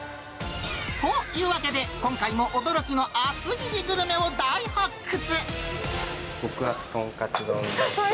というわけで、今回も驚きの厚切りグルメを大発掘。